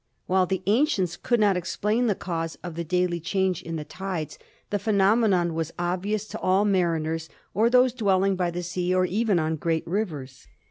While the ancients THE EARTH 159 could not explain the cause of the daily change in the tides, the phenomenon was obvious to all mariners or those dwelling by the sea or even on great rivers.